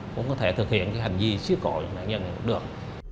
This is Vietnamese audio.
cũng có thể thực hiện hành vi xíu cội nạn nhân được